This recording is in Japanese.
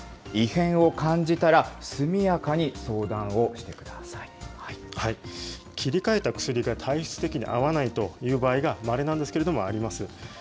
異変を感じたら、速やかに相談を切り替えた薬が体質的に合わないという場合が、まれなんですけれども、在ります。